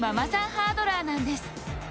ハードラーなんです。